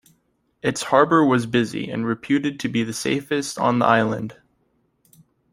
Its harbour was busy and reputed to be the safest on the island.